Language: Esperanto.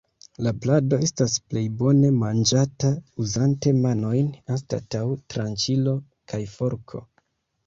La plado estas plej bone manĝata uzante manojn anstataŭ tranĉilo kaj forko.